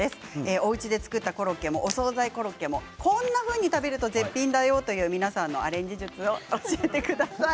おうちで作ったコロッケもお総菜コロッケもこんなふうに食べると絶品だよという皆さんのアレンジ術を教えてください。